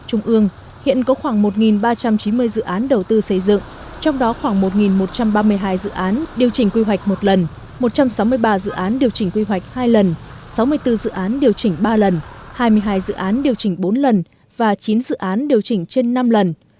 trung ương hiện có khoảng một ba trăm chín mươi dự án đầu tư xây dựng trong đó khoảng một một trăm ba mươi hai dự án điều chỉnh quy hoạch một lần một trăm sáu mươi ba dự án điều chỉnh quy hoạch hai lần sáu mươi bốn dự án điều chỉnh ba lần hai mươi hai dự án điều chỉnh bốn lần và chín dự án điều chỉnh trên năm lần